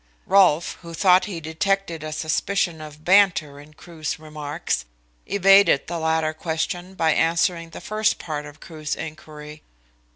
Rolfe, who thought he detected a suspicion of banter in Crewe's remarks, evaded the latter question by answering the first part of Crewe's inquiry.